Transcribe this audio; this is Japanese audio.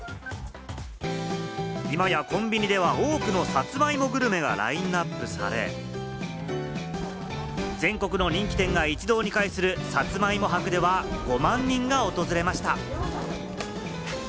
今やコンビニでは多くのさつまいもグルメがラインアップされ、全国の人気店が一堂に会する、さつまいも博では５万人が訪れました。